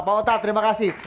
pak ota terima kasih